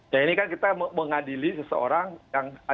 ya ini kan kita mengadili seseorang yang